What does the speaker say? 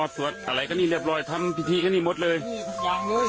สวดอะไรก็นี่เรียบร้อยทั้งพิธีก็นี่มดเลย